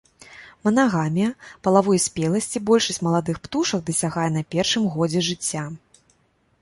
Манагамія, палавой спеласці большасць маладых птушак дасягае на першым годзе жыцця.